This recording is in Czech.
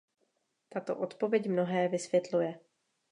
Tato odpověď mnohé vysvětluje.